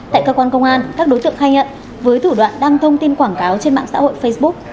tại cơ quan công an các đối tượng khai nhận với thủ đoạn đăng thông tin quảng cáo trên mạng xã hội facebook